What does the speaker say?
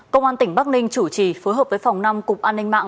công an tỉnh bắc ninh chủ trì phối hợp với phòng năm cục an ninh mạng